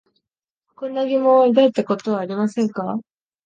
こんな疑問を抱いたことはありませんか？